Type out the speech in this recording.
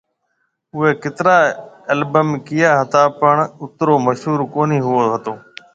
اوئي ڪترا البم ڪيئا ھتا پڻ اترو مشھور ڪونھيَََ ھوئو ھتو